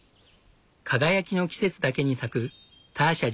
輝きの季節だけに咲くターシャ